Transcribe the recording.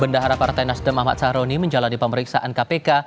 bendahara partai nasdem ahmad sahroni menjalani pemeriksaan kpk